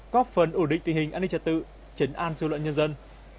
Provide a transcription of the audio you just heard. góp phần ổn định tình hình an ninh trật tự chấn an dư luận nhân dân